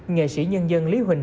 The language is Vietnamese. nghệ sĩ nhân dân lý huỳnh